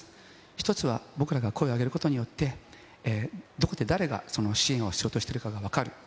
１つは、僕らが声を上げることによって、どこで誰がその支援をしようとしているのかが分かる。